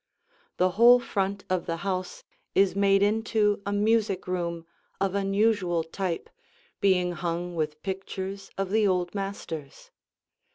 The whole front of the house is made into a music room of unusual type, being hung with pictures of the old masters.